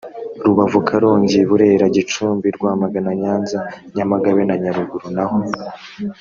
rubavu karongi burera gicumbi rwamagana nyanza nyamagabe na nyaruguru naho